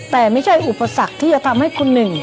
แต่ไม่ใช่อุปสรรคที่จะทำให้คุณหนึ่ง